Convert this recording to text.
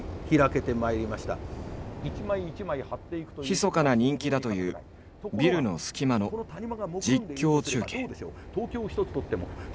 ひそかな人気だというビルの隙間の実況中継。